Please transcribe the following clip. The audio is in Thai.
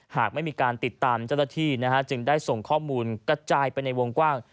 หากไม่มีการติดตามเจ้าหน้าที่จึงได้ส่งข้อมูลกระจายไปในวงกว้าง